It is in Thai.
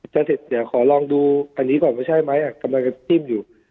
จะเสร็จตอนนี้ก่อนไม่ใช่นะกำลังจะติ้มอยู่